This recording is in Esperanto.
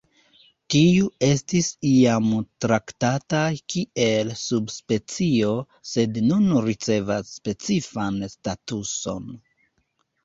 Tiu estis iam traktataj kiel subspecio, sed nun ricevas specifan statuson.